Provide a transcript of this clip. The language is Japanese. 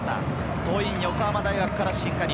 桐蔭横浜大学から新加入。